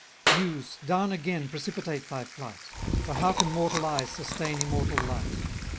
Muse, down again precipitate thy flight; For how can mortal eyes sustain immortal light?